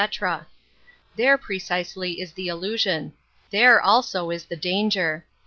There precisely is \ the illusion. There also is the danger.